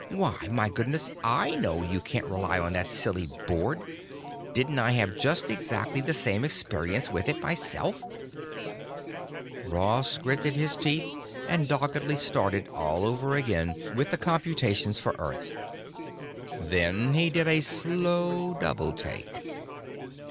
Why, my goodness, I know you can't rely on that silly board! Didn't I have just exactly the same experience with it myself?" Ross gritted his teeth and doggedly started all over again with the computations for Earth. Then he did a slow double take.